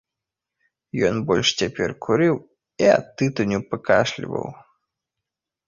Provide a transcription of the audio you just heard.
Ён больш цяпер курыў і ад тытуню пакашліваў.